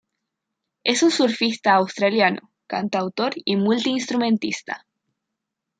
Es un surfista australiano, cantautor y multinstrumentista.